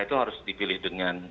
itu harus dipilih dengan